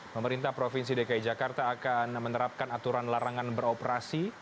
pemerintah provinsi dki jakarta akan menerapkan aturan larangan beroperasi